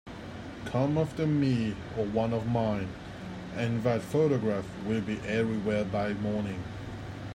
Come after me or one of mine, and that photograph will be everywhere by morning.